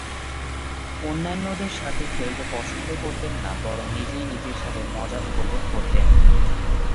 অন্যান্যদের সাথে খেলতে পছন্দ করতেন না বরং নিজেই নিজের সাথে মজা উপভোগ করতেন।